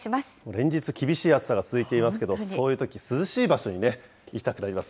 連日厳しい暑さが続いていますけれども、そういうとき、涼しい場所に行きたくなります。